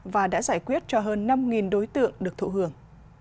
và đã giải quyết cho hơn năm đối tượng được thụ hưởng